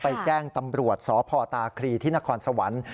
แจ้งตำรวจสพตาครีที่นครสวรรค์